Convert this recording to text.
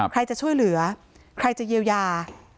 ใครจะช่วยเหลือใครจะเยียวยา